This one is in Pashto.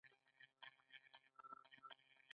د فکري مالکیت حقونو په اړه یې اندېښنه نه درلوده.